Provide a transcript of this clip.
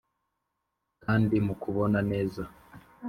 kandi mukubona neza ?